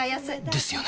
ですよね